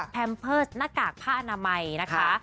แพมเพิร์ตหน้ากากผ้าอนามัยนะคะ